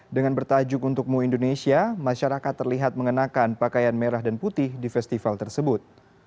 dengan bertajuk untukmu indonesia masyarakat terlihat mengenakan pakaian merah dan putih di festival tersebut